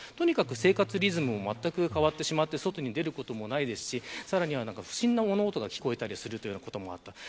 生活リズムもまったく変わってしまって外に出ることもないしさらに不審な物音が聞こえたりするということもあった。